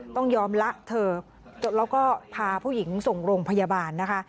ต้องยอมละเธอแล้วก็พาผู้หญิงส่งโรงพยาบาลนะคะ